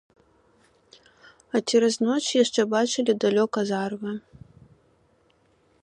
А цераз ноч яшчэ бачылі далёка зарыва.